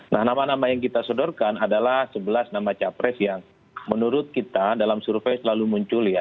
nah nama nama yang kita sodorkan adalah sebelas nama capres yang menurut kita dalam survei selalu muncul ya